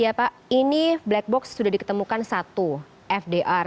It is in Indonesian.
ya pak ini black box sudah diketemukan satu fdr